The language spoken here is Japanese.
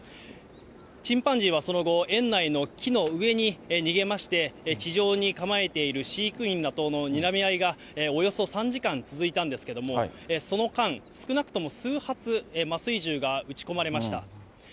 チンパンジーはその後、園内の木の上に逃げまして、地上に構えている飼育員らとのにらみ合いがおよそ３時間続いたんですけれども、その間、少なくとも数発、麻酔銃が撃ち込まれました。